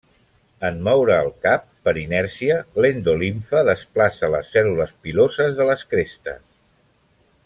En moure el cap, per inèrcia, l'endolimfa desplaça les cèl·lules piloses de les crestes.